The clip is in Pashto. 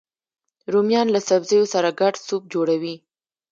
رومیان له سبزیو سره ګډ سوپ جوړوي